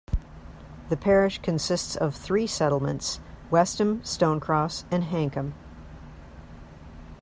The parish consists of three settlements: Westham; Stone Cross; and Hankham.